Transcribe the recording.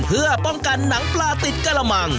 เพื่อป้องกันหนังปลาติดกระมัง